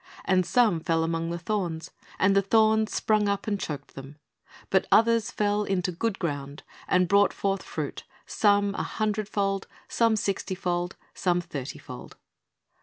And some fell among thorns; and the thorns sprung up, and choked them; but other fell into good ground, and brought forth fruit, some an hundred fold, some sixty fold, some thirty fold."